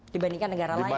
dibandingkan negara lain ya